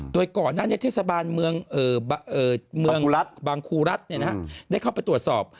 โดยก่อนนั้นเทศบาลเมืองรัฐบางครูรัฐได้เข้าไปตรวจสอบ